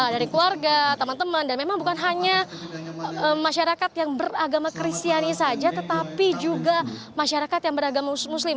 dari keluarga teman teman dan memang bukan hanya masyarakat yang beragama kristiani saja tetapi juga masyarakat yang beragama muslim